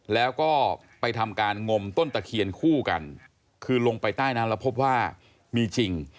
แล้วก็ไปทำการงมต้นตะเคียนคู่กันคือลงไปใต้น้ำแล้วพบว่ามีจริง